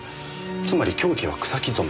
つまり凶器は草木染め。